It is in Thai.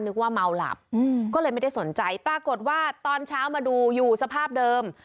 นึกว่าเมาหลับก็เลยไม่ได้สนใจปรากฏว่าตอนเช้ามาดูอยู่สภาพเดิม